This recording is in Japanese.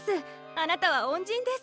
あなたは恩人です。